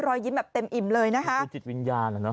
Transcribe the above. รอยยิ้มแบบเต็มอิ่มเลยนะคะคือจิตวิญญาณอ่ะเนอ